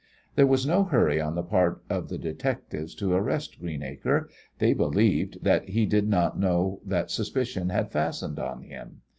There was no hurry on the part of the detectives to arrest Greenacre. They believed that he did not know that suspicion had fastened on him.